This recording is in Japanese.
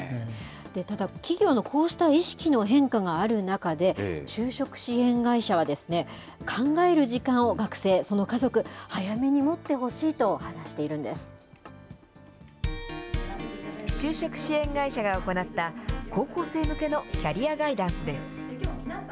ただ、企業のこうした意識の変化がある中で、就職支援会社は、考える時間を、学生、その家族、早めに持ってほしいと話している就職支援会社が行った高校生向けのキャリアガイダンスです。